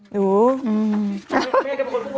สวนยางงี้